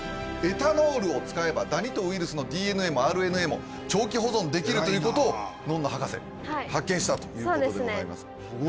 エタノールを使えばダニとウイルスのＤＮＡもＲＮＡも長期保存できるということをのんの博士発見したということでございます